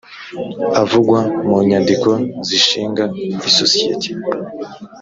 avugwa mu nyandiko zishinga isosiyete